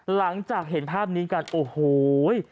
หลังจากเห็นภาพนี้กันโอ้โห